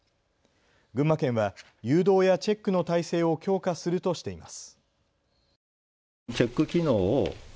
群馬県は誘導やチェックの体制を強化するとしています。